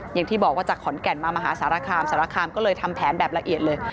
อย่างที่บอกว่าจากขอนแก่นมามหาสารคามสารคามก็เลยทำแผนแบบละเอียดเลย